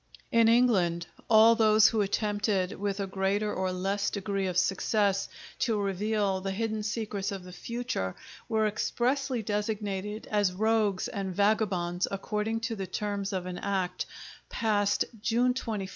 In England all those who attempted, with a greater or less degree of success, to reveal the hidden secrets of the future, were expressly designated as rogues and vagabonds according to the terms of an act passed June 21, 1824.